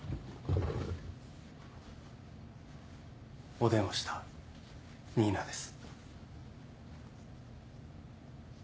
・お電話した新名です。